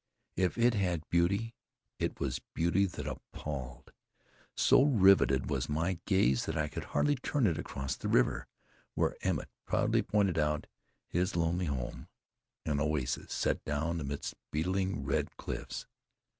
If it had beauty, it was beauty that appalled. So riveted was my gaze that I could hardly turn it across the river, where Emmett proudly pointed out his lonely home an oasis set down amidst beetling red cliffs.